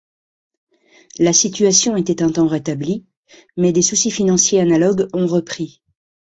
La situation était un temps rétablie, mais des soucis financiers analogues ont repris.